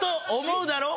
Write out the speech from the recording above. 思うだろ。